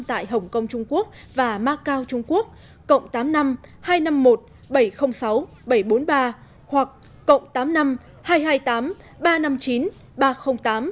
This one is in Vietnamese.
tại hồng kông trung quốc và macau trung quốc cộng tám mươi năm hai trăm năm mươi một bảy trăm linh sáu bảy trăm bốn mươi ba hoặc cộng tám mươi năm hai trăm hai mươi tám ba trăm năm mươi chín ba trăm linh tám